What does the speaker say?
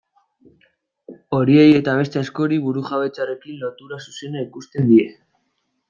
Horiei eta beste askori burujabetzarekin lotura zuzena ikusten die.